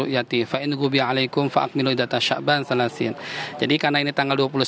jadi karena ini tanggal